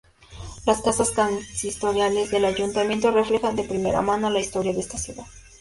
Las Casas Consistoriales del Ayuntamiento reflejan de primera mano la historia de esta ciudad.